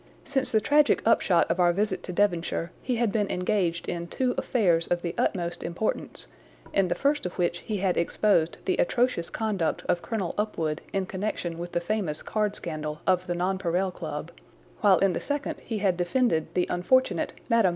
Since the tragic upshot of our visit to Devonshire he had been engaged in two affairs of the utmost importance, in the first of which he had exposed the atrocious conduct of Colonel Upwood in connection with the famous card scandal of the Nonpareil Club, while in the second he had defended the unfortunate Mme.